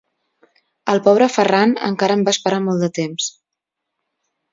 El pobre Ferran encara em va esperar molt de temps.